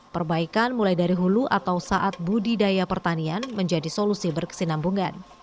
perbaikan mulai dari hulu atau saat budidaya pertanian menjadi solusi berkesinambungan